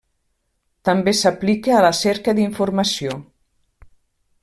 També s'aplica a la cerca d'informació.